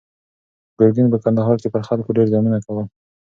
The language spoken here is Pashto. ګرګین په کندهار کې پر خلکو ډېر ظلمونه کول.